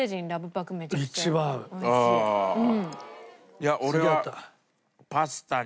いや俺は。